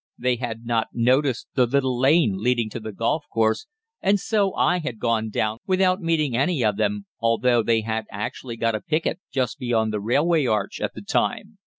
They had not noticed the little lane leading to the golf course, and so I had gone down without meeting any of them, although they had actually got a picket just beyond the railway arch at that time.